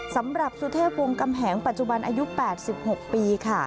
สุเทพวงกำแหงปัจจุบันอายุ๘๖ปีค่ะ